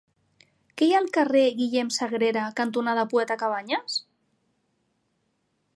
Què hi ha al carrer Guillem Sagrera cantonada Poeta Cabanyes?